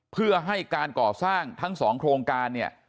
เพื่อให้การก่อสร้างทั้ง๒โครงการเนี่ย